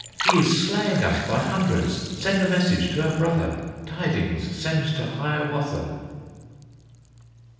He is slaying us by hundreds! Send a message to our brother, Tidings send to Hiawatha!"